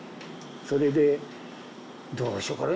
それでどうしようかね